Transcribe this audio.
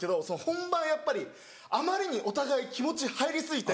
本番やっぱりあまりにお互い気持ち入り過ぎて。